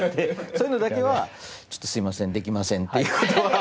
そういうのだけは「すみませんできません」っていう事は。